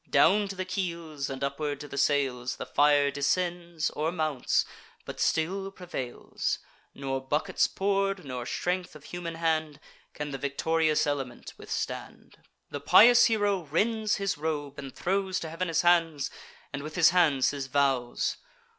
Down to the keels, and upward to the sails, The fire descends, or mounts, but still prevails; Nor buckets pour'd, nor strength of human hand, Can the victorious element withstand. The pious hero rends his robe, and throws To heav'n his hands, and with his hands his vows.